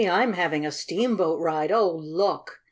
I'm having a steamboat ride! Oh, look!"